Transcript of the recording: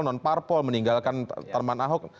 non parpol meninggalkan teman ahok